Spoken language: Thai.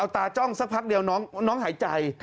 ตาจ้องสักพักเดียวน้องหายใจ